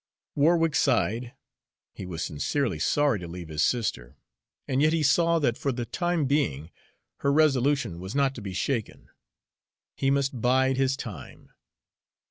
Warwick sighed. He was sincerely sorry to leave his sister, and yet he saw that for the time being her resolution was not to be shaken. He must bide his time.